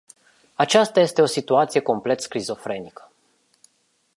Aceasta este o situație complet schizofrenică.